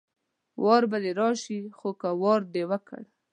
وار به دې راشي خو که وار دې وکړ